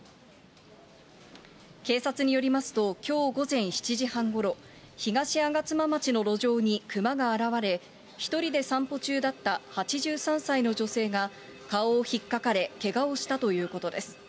警察によりますと、きょう午前７時半ごろ、東吾妻町の路上にクマが現れ、１人で散歩中だった８３歳の女性が、顔をひっかかれ、けがをしたということです。